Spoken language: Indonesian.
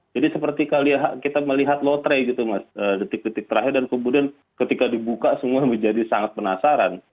jadi seperti kita melihat lotre gitu mas detik detik terakhir dan kemudian ketika dibuka semua menjadi sangat penasaran